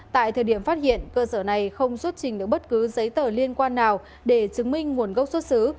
tại thời điểm phát hiện cơ sở này không xuất trình được bất cứ giấy tờ liên quan nào để chứng minh nguồn gốc xuất xứ